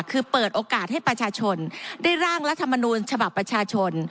คือเปิดโอกาสให้ประชาชนได้ร่างรัฐมนูลฉบับประชาชน